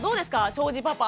庄司パパ。